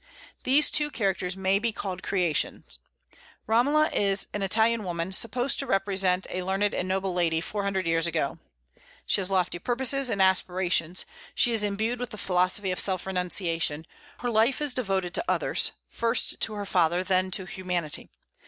These two characters may be called creations. Romola is an Italian woman, supposed to represent a learned and noble lady four hundred years ago. She has lofty purposes and aspirations; she is imbued with the philosophy of self renunciation; her life is devoted to others, first to her father, and then to humanity.